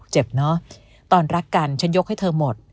เนอะตอนรักกันฉันยกให้เธอหมด